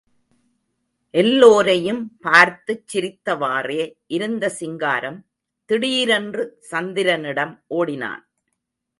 எல்லோரையும் பார்த்துச் சிரித்தவாறே இருந்த சிங்காரம், திடீரென்று சந்திரனிடம் ஓடினான்.